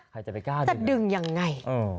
ใครจะไปกล้าจะดึงยังไง